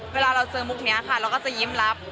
เวลาเราเจอมุกนี้ค่ะเราก็จะยิ้มรับ